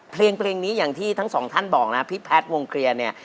เพลงนี้อย่างที่ทั้งสองท่านบอกนะพี่แพทย์วงเคลียร์เนี่ย